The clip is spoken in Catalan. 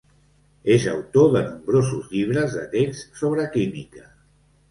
És autor de nombrosos llibres de texts sobre química.